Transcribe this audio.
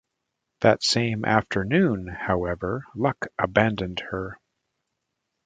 That same afternoon, however, luck abandoned her.